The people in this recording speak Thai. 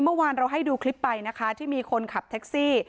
เมื่อวานเราให้ดูคลิปไปนะคะที่มีคนขับแท็กซี่